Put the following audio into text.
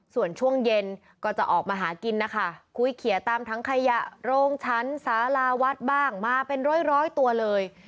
ส่วนช่วงเย็นก็จะออกมาหากินนะคะคุยเขียตามทั้งขยะโรงชั้นสาราวัดบ้างมาเป็นร้อยตัวเลย